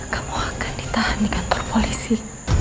kamu akan ditahan di kantor koalisi